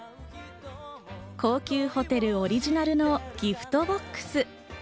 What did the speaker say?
高級ホテルオリジナルのギフトボックス。